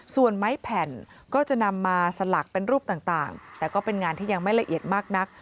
ส่วนไม้แผ่นก็จะนำมาสลักเป็นรูปต่างแต่ก็เป็นงานที่ยังไม่ละเอียดมากนัก